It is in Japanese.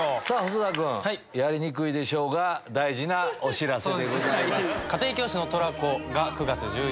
細田君やりにくいでしょうが大事なお知らせでございます。